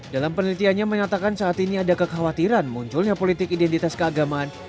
dalam penelitiannya menyatakan saat ini ada kekhawatiran munculnya politik identitas keagamaan